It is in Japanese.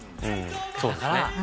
そうですね。